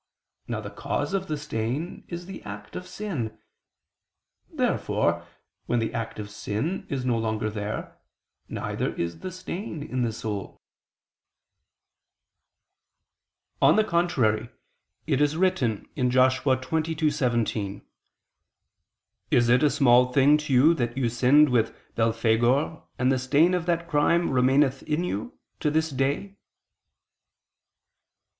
Now the cause of the stain is the act of sin. Therefore when the act of sin is no longer there, neither is the stain in the soul. On the contrary, It is written (Jos. 22:17): "Is it a small thing to you that you sinned with Beelphegor, and the stain of that crime remaineth in you [Vulg.: 'us'] to this day?"